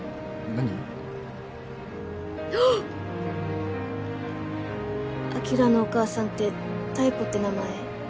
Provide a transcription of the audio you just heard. あきらのお母さんって妙子って名前？